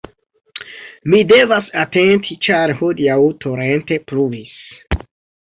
Mi devas atenti ĉar hodiaŭ torente pluvis